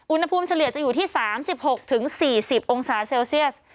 อุณหภูมิเฉลี่ยจะอยู่ที่๓๖๔๐องศาเซลเซียส